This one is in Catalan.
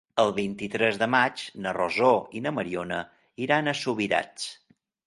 El vint-i-tres de maig na Rosó i na Mariona iran a Subirats.